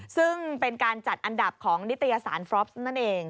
ซึ่งเป็นการจัดอันดับของนิตยสารฟรอฟนั่นเอง